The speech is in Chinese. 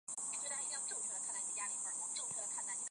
林宰平中华民国哲学研究家。